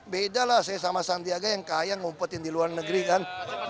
beda lah saya sama sandiaga yang kaya ngumpetin di luar negeri kan